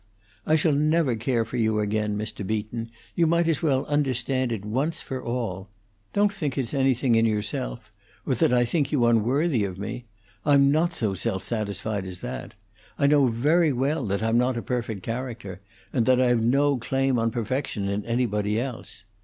I shall never care for you again, Mr. Beaton; you might as well understand it once for all. Don't think it's anything in yourself, or that I think you unworthy of me. I'm not so self satisfied as that; I know very well that I'm not a perfect character, and that I've no claim on perfection in anybody else.